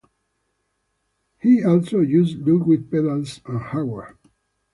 He also uses Ludwig pedals and hardware.